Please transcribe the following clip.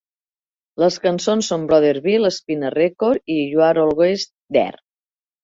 Les cançons són "Brother Bill", "Spin a Record" i "You're Always There".